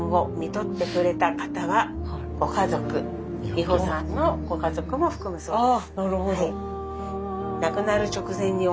美穂さんのご家族も含むそうです。